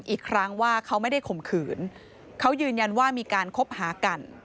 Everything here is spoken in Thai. อีกครั้งว่าเขาไม่ได้ข่มขืนเขายืนยันว่ามีการคบหากัน